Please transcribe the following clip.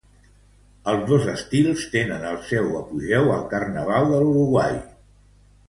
Els dos estils tenen el seu apogeu al carnaval de l'Uruguai.